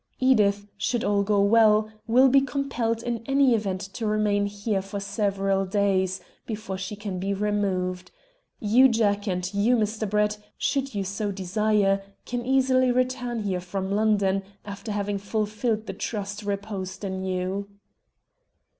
Edith, should all go well, will be compelled in any event to remain here for several days before she can be removed. You, Jack, and you, Mr. Brett, should you so desire, can easily return here from London, after having fulfilled the trust reposed in you."